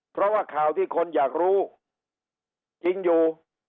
เพราะว่าข่าวที่คนอยากรู้จริงอยู่